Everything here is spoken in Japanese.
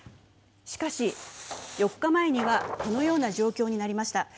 しかし、４日前にはこのような状況になりました。